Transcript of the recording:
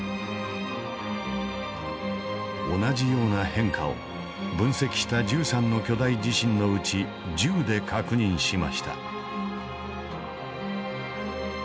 同じような変化を分析した１３の巨大地震のうち１０で確認しました。